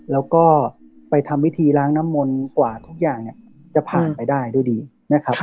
แล้วก็ไปทำพิธีล้างน้ำมนต์กว่าทุกอย่างเนี่ยจะผ่านไปได้ด้วยดีนะครับ